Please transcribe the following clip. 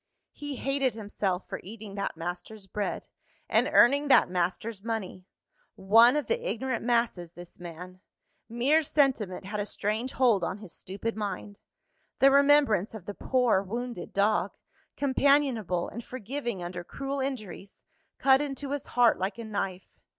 He hated himself for eating that master's bread, and earning that master's money. One of the ignorant masses, this man! Mere sentiment had a strange hold on his stupid mind; the remembrance of the poor wounded dog, companionable and forgiving under cruel injuries, cut into his heart like a knife.